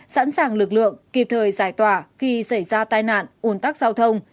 sẵn sàng lực lượng kịp thời giải tỏa khi xảy ra tai nạn ủn tắc giao thông